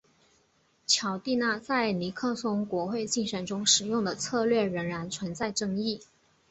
乔蒂纳在尼克松国会竞选中使用的策略仍然存在争议。